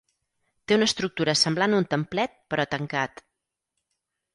Té una estructura semblant a un templet, però tancat.